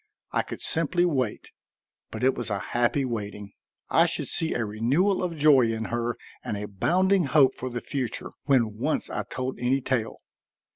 I could simply wait. But it was a happy waiting. I should see a renewal of joy in her and a bounding hope for the future when once I told any tale.